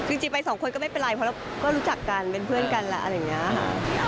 จริงไปสองคนก็ไม่เป็นไรเพราะเราก็รู้จักกันเป็นเพื่อนกันแหละอะไรอย่างนี้ค่ะ